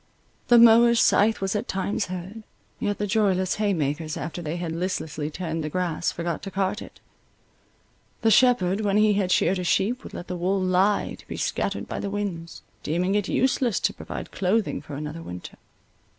The mower's scythe was at times heard; yet the joyless haymakers after they had listlessly turned the grass, forgot to cart it; the shepherd, when he had sheared his sheep, would let the wool lie to be scattered by the winds, deeming it useless to provide clothing for another winter.